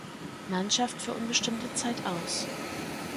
Mannschaft für unbestimmte Zeit aus.